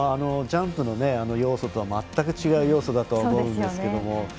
ジャンプの要素とは全く違う要素だとは思うんですけども。